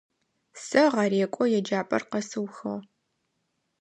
Сэ гъэрекӏо еджапӏэр къэсыухыгъ.